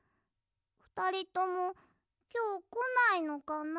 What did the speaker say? ふたりともきょうこないのかな？